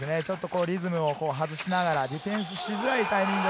リズムを外しながらディフェンスしづらいタイミングを。